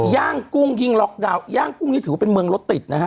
ย่างกุ้งยิ่งล็อกดาวนย่างกุ้งนี่ถือว่าเป็นเมืองรถติดนะฮะ